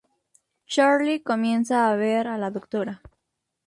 Charlie comienza a ver a la Dra.